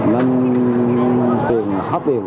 nên tiền hấp tiền